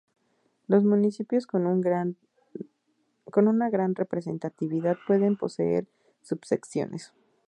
Los municipios con una gran representatividad pueden poseer "Subsecciones".